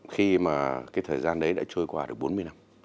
khi mà cái thời gian đấy đã trôi qua được bốn mươi năm